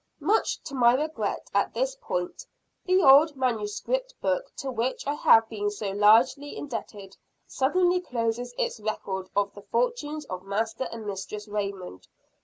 Much to my regret, at this point, the old manuscript book to which I have been so largely indebted, suddenly closes its record of the fortunes of Master and Mistress Raymond.